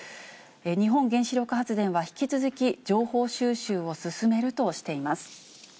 日本原子力発電は引き続き、情報収集を進めるとしています。